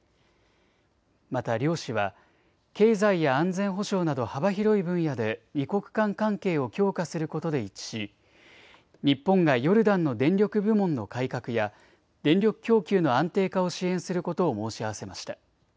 また両氏は経済や安全保障など幅広い分野で二国間関係を強化することで一致し日本がヨルダンの電力部門の改革や電力供給の安定化を支援することを申し合わせました。